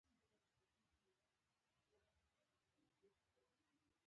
ما ځانته قناعت ورکړ چي جګړه یوازې زما لپاره پایته ورسیده.